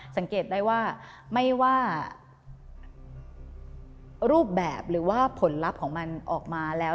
สังเกตได้ว่าไม่ว่ารูปแบบหรือว่าผลลัพธ์ของมันออกมาแล้ว